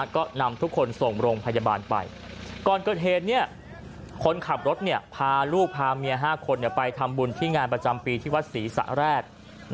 ก็นำทุกคนส่งโรงพยาบาลไปก่อนเกิดเหตุคนขับรถพาลูกพาเมีย๕คนไปทำบุญที่งานประจำปีที่วัดศรีสะแรก